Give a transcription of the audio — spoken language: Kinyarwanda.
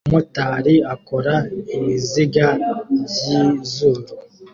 umumotari akora ibiziga byizuru